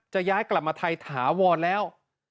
จะย้ายกลับมาไทยถาวรแล้ว